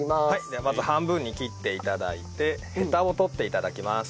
ではまず半分に切って頂いてヘタを取って頂きます。